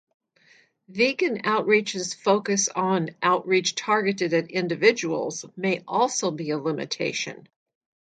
Vegan Outreach's focus on outreach targeted at individuals may also be a limitation.